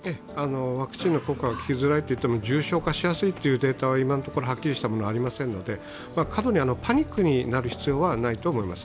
ワクチンの効果が効きづらいといっても重症化しやすいというデータはまだはっきりしたものはありませんので、過度にパニックになる必要はないと思います。